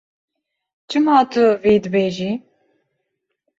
Çima tu vê dibêjî?